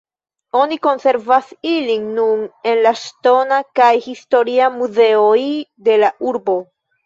Oni konservas ilin nun en la ŝtona kaj historia muzeoj de la urbo.